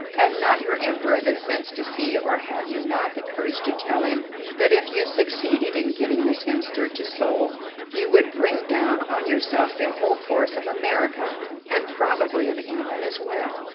Has not your Emperor the sense to see, or have you not the courage to tell him, that if you succeeded in getting Miss Hemster to Seoul you would bring down on yourselves the whole force of America, and probably of England as well?